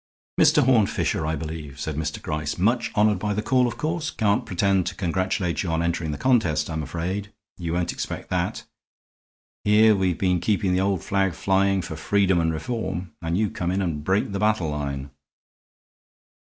"Mr. Horne Fisher, I believe," said Mr. Gryce. "Much honored by the call, of course. Can't pretend to congratulate you on entering the contest, I'm afraid; you won't expect that. Here we've been keeping the old flag flying for freedom and reform, and you come in and break the battle line."